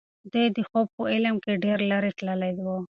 دی د خوب په عالم کې ډېر لرې تللی و.